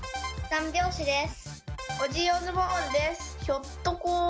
三拍子です。